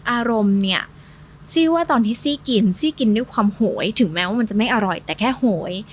อารมณ์เนี่ยซี่ว่าตอนที่ซี่กินซี่กินด้วยความโหยถึงแม้ว่ามันจะไม่อร่อยแต่แค่โหย